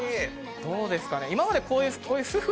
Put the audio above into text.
どうですかね